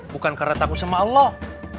bukan karena takut sama allah